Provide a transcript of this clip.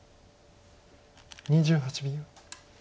２８秒。